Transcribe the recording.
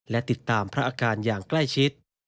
และติดตามพระอาการอย่างใกล้ชิด